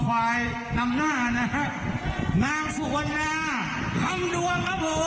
สว่าสวนหน้านี้ฉันคิดว่าคุณสืบสกุล